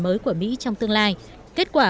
mới của mỹ trong tương lai kết quả